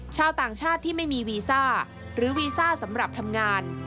ชาวต่างชาติที่ไม่มีวีซ่าหรือวีซ่าสำหรับทำงาน